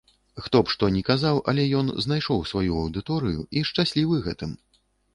Хто б што ні казаў, але ён знайшоў сваю аўдыторыю і шчаслівы гэтым.